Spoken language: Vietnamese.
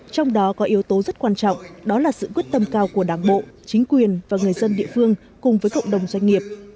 trong đó có yếu tố rất quan trọng đó là sự quyết tâm cao của đảng bộ chính quyền và người dân địa phương cùng với cộng đồng doanh nghiệp